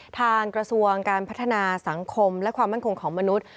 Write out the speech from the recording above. กระทรวงการพัฒนาสังคมและความมั่นคงของมนุษย์